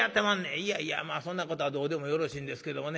「いやいやまあそんなことはどうでもよろしいんですけどもね。